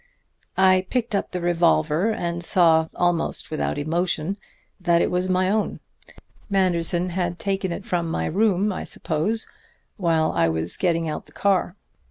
"I picked up the revolver and saw, almost without emotion, that it was my own Manderson had taken it from my room, I suppose, while I was getting out the car.